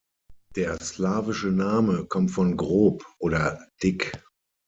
Der slawische Name kommt von grob oder dick.